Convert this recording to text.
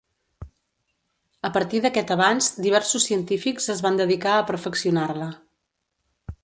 A partir d'aquest avanç diversos científics es van dedicar a perfeccionar-la.